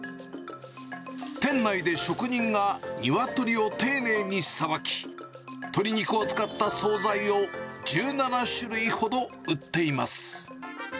店内で職人が鶏を丁寧にさばき、鶏肉を使った総菜を１７種類ほど売っています。